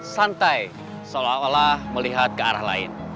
santai seolah olah melihat ke arah lain